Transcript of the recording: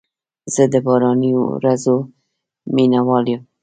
زه د باراني ورځو مینه وال یم.